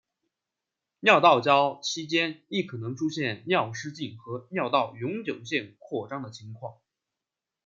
尿道交期间亦可能出现尿失禁和尿道永久性扩张的情况。